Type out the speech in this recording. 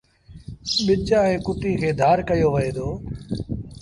ٻج ائيٚݩ ڪُٽيٚ کي ڌآر ڪيو وهي دو۔